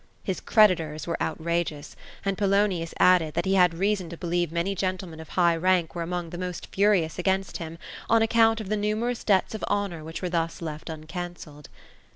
His creditors were outrageous ; and Polonius added, that he had reason to believe many gentlemen of high rank were among the most furious against him, on account of the nu merous debts of honour which were thus left uncancelled.